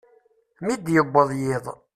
Mi d-yewweḍ yiḍ.